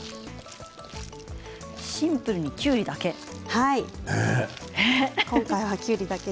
シンプルに、きゅうりだけ。